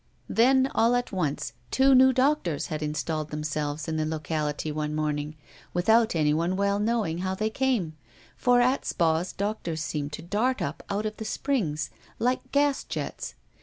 Then, all at once, two new doctors had installed themselves in the locality one morning, without anyone well knowing how they came, for at spas doctors seem to dart up out of the springs, like gas jets.